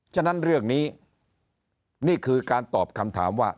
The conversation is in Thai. ฉะนั้นเรื่องนี้นี่คือการตอบคำถามว่า